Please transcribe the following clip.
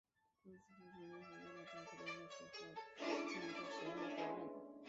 她的祖父曾经是耶鲁大学的艺术和建筑学院的主任。